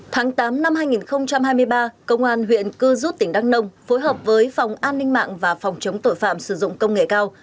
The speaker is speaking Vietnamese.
tháng tám năm hai nghìn hai mươi ba công an huyện cư rút tỉnh đắk nông phối hợp với phòng an ninh mạng và phòng chống tội phạm sử dụng công nghệ cao